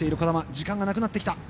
時間がなくなってきた。